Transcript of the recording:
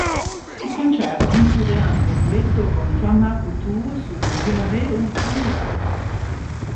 Il concerto include anche un duetto con Jean-Marc Couture su "J'irai où tu iras".